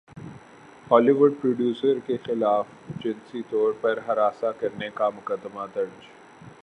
Holi would producer کےخلاف جنسی طور پر ہراساں کرنے کا مقدمہ درج